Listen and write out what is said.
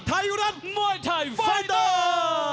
ไทยอยู่ด้านมวยไทยไฟเตอร์